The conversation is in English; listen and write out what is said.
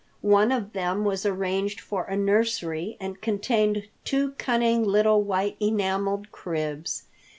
One of them was arranged for a nursery and contained two cunning little white enameled cribs.